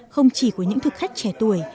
không chỉ của những thực khách trẻ tuổi